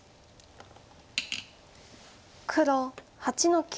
黒８の九。